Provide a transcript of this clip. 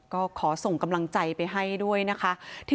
ก็ขอส่งกำลังใจไปให้ด้วยนะคะ